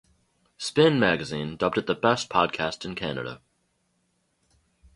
"Spin" magazine dubbed it the best podcast in Canada.